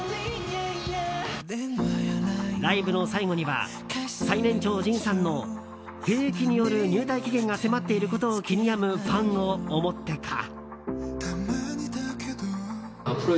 ライブの最後には最年長、ＪＩＮさんの兵役による入隊期限が迫っていることを気に病むファンを思ってか。